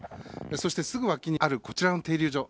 そして、すぐ脇にあるこちらの停留所。